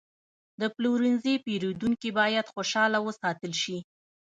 د پلورنځي پیرودونکي باید خوشحاله وساتل شي.